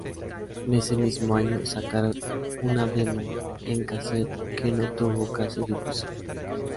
En ese mismo año sacaron una demo en casete que no tuvo casi difusión.